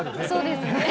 そうですね。